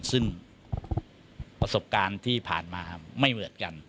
ซึ่งประสบการณ์ที่ผ่านมาไม่เหมือนกัน